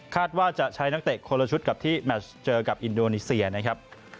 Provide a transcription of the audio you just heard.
ว่าจะใช้นักเตะคนละชุดกับที่แมชเจอกับอินโดนีเซียนะครับ